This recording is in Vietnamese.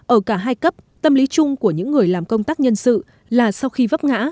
ở cả hai cấp tâm lý chung của những người làm công tác nhân sự là sau khi vấp ngã